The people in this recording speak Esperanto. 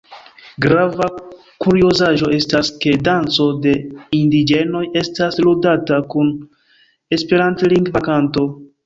Grava kuriozaĵo estas ke danco de indiĝenoj estas ludata kun esperantlingva kanto.